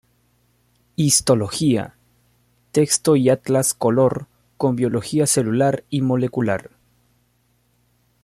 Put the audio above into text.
Histología, texto y atlas color con biología celular y molecular.